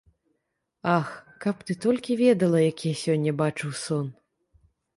Ах, каб ты толькi ведала, якi я сёння бачыў сон!..